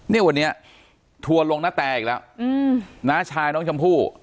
เนี่ยวันนี้ทัวร์ลงนาแตอีกแล้วน้าชายน้องชมพู่